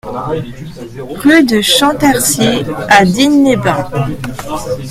Route de Champtercier à Digne-les-Bains